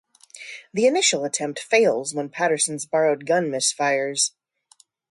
The initial attempt fails when Patterson's borrowed gun misfires.